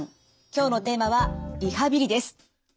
今日のテーマは「リハビリ」です。